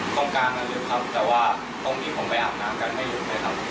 ตรงกลางมันลึกครับแต่ว่าตรงที่ผมไปอาบน้ำกันไม่หยุดเลยครับ